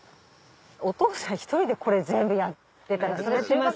お父さん１人でこれ全部やってたら。